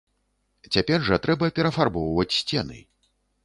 Цяпер жа трэба перафарбоўваць сцены.